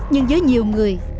nhưng với nhiều người